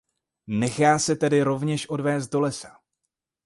Nechá se tedy rovněž odvézt do lesa.